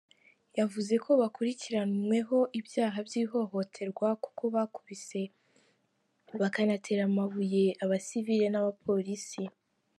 Yavuze ko bakurikiranyweho ibyaha by’ihohoterwa kuko bakubise bakanatera amabuye abasivili n’abapolisi.